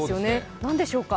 何でしょうか。